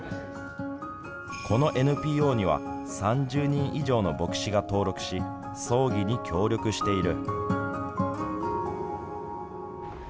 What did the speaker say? このＮＰＯには３０人以上の牧師が登録し葬儀に協力している。